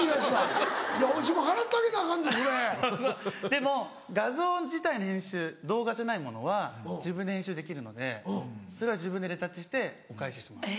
でも画像自体の編集動画じゃないものは自分で編集できるのでそれは自分でレタッチしてお返しします。